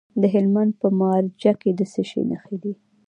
د هلمند په مارجه کې د څه شي نښې دي؟